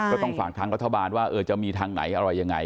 ก็ต้องฝากทางรัฐบาลว่าจะมีทางไหนอะไรยังไง